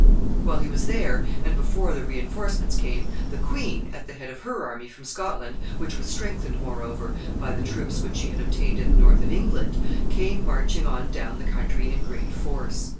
] While he was there, and before the re enforcements came, the queen, at the head of her army from Scotland, which was strengthened, moreover, by the troops which she had obtained in the north of England, came marching on down the country in great force.